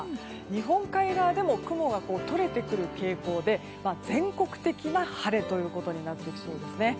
日本海側でも雲が取れてくる傾向で全国的な晴れということになってきそうですね。